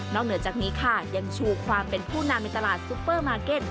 เหนือจากนี้ค่ะยังชูความเป็นผู้นำในตลาดซุปเปอร์มาร์เก็ต